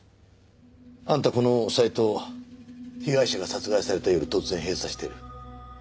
あんたこのサイトを被害者が殺害された夜突然閉鎖してる。